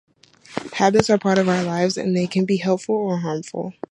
Habits are a part of our lives and they can be helpful or harmful.